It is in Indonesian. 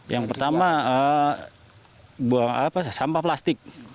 yang pertama sampah plastik